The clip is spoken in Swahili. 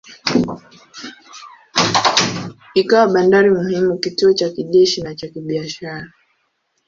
Ikawa bandari muhimu, kituo cha kijeshi na cha kibiashara.